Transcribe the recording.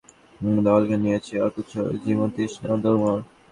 একধরনের খাপছাড়া ঔদাস্য যেন আমাকে দখল করে নিয়েছে, অথচ জীবনতৃষ্ণাও দুর্মর।